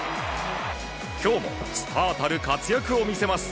今日もスターたる活躍を見せます。